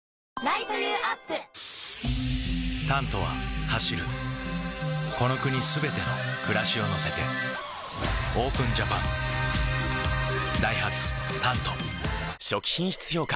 「タント」は走るこの国すべての暮らしを乗せてＯＰＥＮＪＡＰＡＮダイハツ「タント」初期品質評価